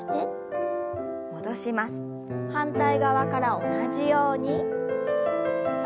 反対側から同じように。